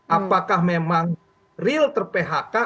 apakah memang real ter phk